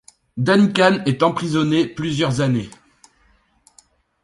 Duncan est emprisonné plusieurs années.